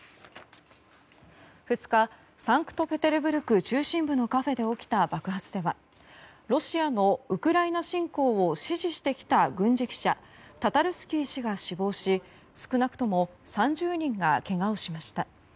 ２日サンクトペテルブルク中心部のカフェで起きた爆発ではロシアのウクライナ侵攻を支持してきた軍事記者タタルスキー氏が死亡し少なくとも３０人がけがをしました。